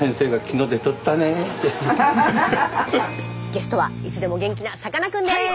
ゲストはいつでも元気なさかなクンです。